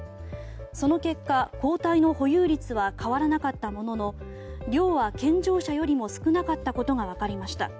その結果、抗体の保有率は変わらなかったものの量は健常者よりも少なかったことが分かりました。